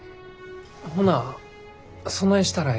ほなそないしたらええやん。